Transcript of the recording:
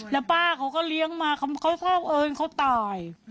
แล้วป้าเขาก็เลี้ยงมาเค้าตาย